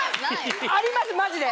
ありますマジで！